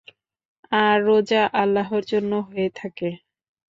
আর রোজা আল্লাহর জন্য হয়ে থাকে।